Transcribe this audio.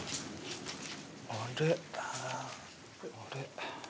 あれあれ？